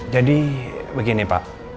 jadi begini pak